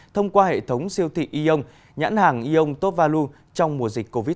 thông qua hệ thống siêu thị eon nhãn hàng eon top value trong mùa dịch covid một mươi chín